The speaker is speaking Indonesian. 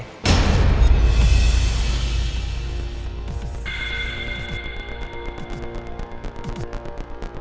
tidak ada apa apa